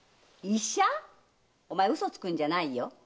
おまえ嘘つくんじゃないよ。